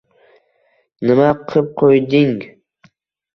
Nima qib qo`ydi-ing